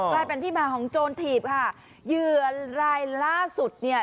กลายเป็นที่มาของโจรถีบค่ะเหยื่อรายล่าสุดเนี่ย